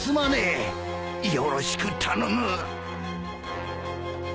よろしく頼む。